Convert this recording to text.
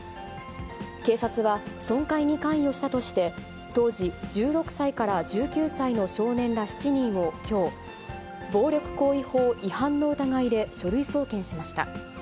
警察は、損壊に関与したとして、当時１６歳から１９歳の少年ら７人をきょう、暴力行為法違反の疑いで書類送検しました。